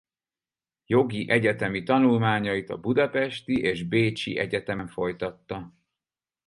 Jogi egyetemi tanulmányait a budapesti és Bécsi Egyetemen folytatta.